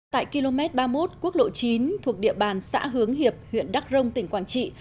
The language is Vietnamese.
tại km ba mươi một quốc lộ chín thuộc địa bàn xã hướng hiệp huyện đắk rông tỉnh quảng trị